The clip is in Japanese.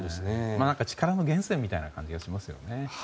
力の源泉みたいな感じがしますね。